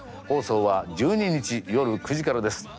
放送は１２日夜９時からです。